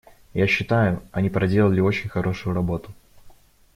Я считаю, они проделали очень хорошую работу.